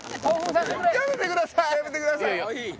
やめてください！